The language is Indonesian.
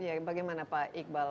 ya bagaimana pak iqbal